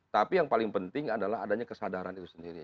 tapi yang paling penting adalah adanya kesadaran itu sendiri